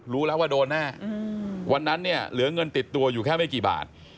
รู้แล้วว่าโดนแน่วันนั้นเนี่ยเหลือเงินติดตัวอยู่แค่ไม่กี่บาท